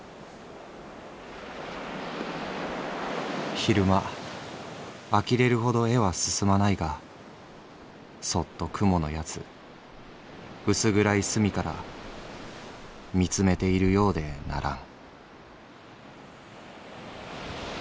「昼間あきれるほど絵は進まないがそっと蜘蛛の奴うす暗い隅から見つめているようでならん」。